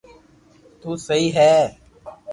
تو سھي ھي